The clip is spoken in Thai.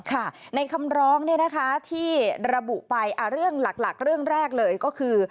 ในคำร้องที่ระบุไปเรื่องหลักเรื่องแรกเลยก็คือ